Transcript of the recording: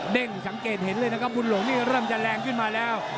สังเกตเห็นเลยนะครับบุญหลงนี่เริ่มจะแรงขึ้นมาแล้ว